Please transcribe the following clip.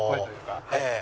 ええ。